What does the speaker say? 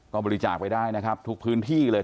ก็บริจาคไปได้นะครับทุกพื้นที่เลย